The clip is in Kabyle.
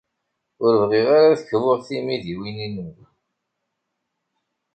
Ur bɣiɣ ara ad kbuɣ timidiwin-inu.